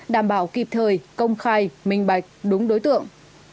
đảm bảo kịp thời công khai minh bạch đúng đối tượng